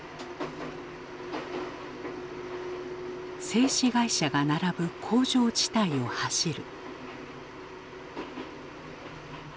製紙会社が並ぶ工場地帯を走る。